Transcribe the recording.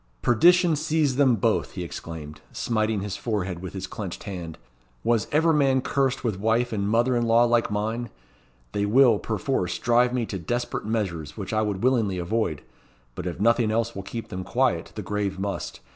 "Perdition seize them both!" he exclaimed, smiting his forehead with his clenched hand. "Was ever man cursed with wife and mother in law like mine! They will, perforce, drive me to desperate measures, which I would willingly avoid; but if nothing else will keep them quiet, the grave must.